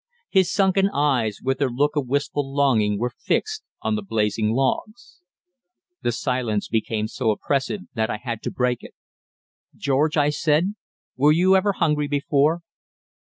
His sunken eyes, with their look of wistful longing, were fixed on the blazing logs. The silence became so oppressive that I had to break it: "George," I said, "were you never hungry before?"